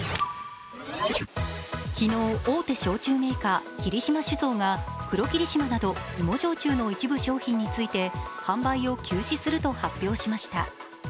昨日、大手焼酎メーカー霧島酒造が黒霧島など芋焼酎の一部商品について販売を休止すると発表しました。